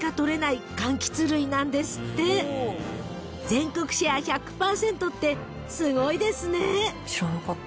［全国シェア１００％ってすごいですね］